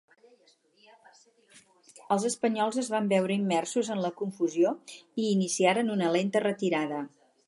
Els espanyols es van veure immersos en la confusió i iniciaren una lenta retirada.